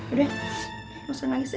udah usah nangis ya